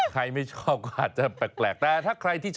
ถ้าใครไม่ชอบก็อาจจะแปลก